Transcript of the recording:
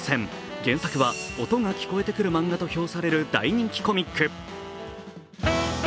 原作は音が聴こえてくる漫画と大人気コミック。